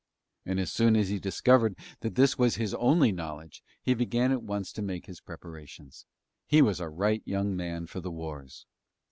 And as soon as he discovered that this was his only knowledge he began at once to make his preparations: he was a right young man for the wars.